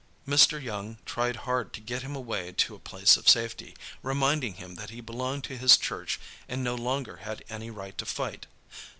Mr. Young tried hard to get him away to a place of safety, reminding him that he belonged to his church and no longer had any right to fight.